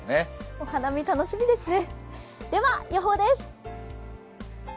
お花見、楽しみですね。